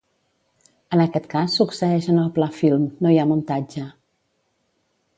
En aquest cas succeeix en el pla film, no hi ha muntatge.